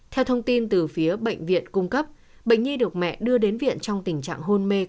theo thông tin từ phía bệnh viện cung cấp bệnh nhi được mẹ đưa đến viện trong tình trạng hôn mê